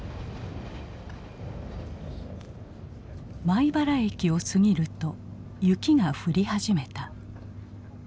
米原駅を過ぎると雪が降り始めた。